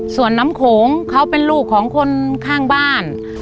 ส่วนน้ำโขงเขาเป็นลูกของคนข้างบ้าน